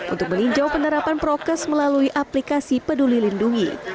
untuk meninjau penerapan prokes melalui aplikasi peduli lindungi